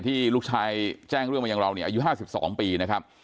ที่ลูกชายแจ้งเรื่องมาอย่างเราเนี่ยอายุ๕๒ปีนะครับ